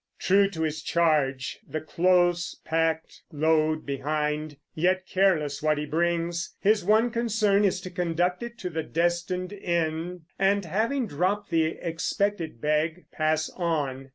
True to his charge, the close packed load behind, Yet careless what he brings, his one concern Is to conduct it to the destined inn, And, having dropped the expected bag, pass on.